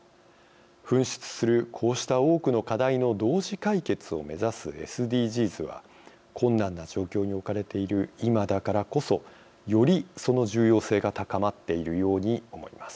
噴出するこうした多くの課題の同時解決を目指すＳＤＧｓは困難な状況に置かれている今だからこそよりその重要性が高まっているように思います。